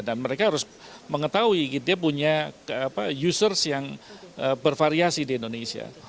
dan mereka harus mengetahui dia punya users yang bervariasi di indonesia